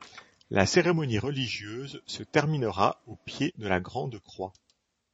La cérémonie religieuse se terminera au pied de la grande croix.